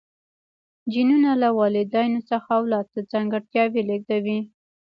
جینونه له والدینو څخه اولاد ته ځانګړتیاوې لیږدوي